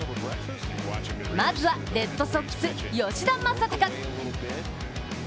まずはレッドソックス・吉田正尚！